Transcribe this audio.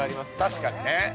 ◆確かにね。